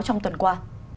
trong tuần qua